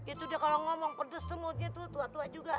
itu dia kalau ngomong pedes itu moodnya tuh tua tua juga